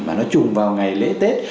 mà nó trùng vào ngày lễ tết